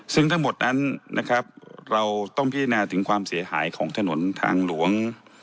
ซึ่งทั้งหมดนั้นนะครับเราต้องพิจารณาถึงความเสียหายของถนนทางหลวง